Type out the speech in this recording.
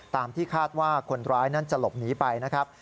ที่คาดว่าคนร้ายนั้นจะหลบหนีไปนะครับ